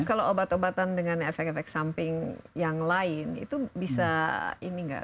tapi kalau obat obatan dengan efek efek samping yang lain itu bisa ini nggak